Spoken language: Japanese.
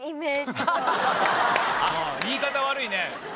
言い方悪いね。